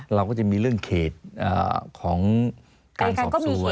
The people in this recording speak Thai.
เราก็จะมีเรื่องเขตของการสอบสวน